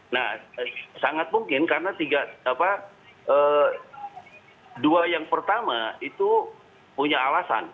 nah sangat mungkin karena dua yang pertama itu punya alasan